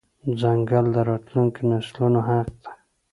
ځنګل د راتلونکو نسلونو حق دی.